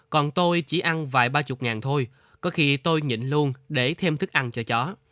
còn tôi chỉ ăn vài ba mươi ngàn thôi có khi tôi nhịn luôn để thêm thức ăn cho chó